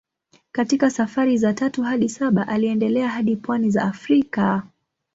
Katika safari za tatu hadi saba aliendelea hadi pwani za Afrika.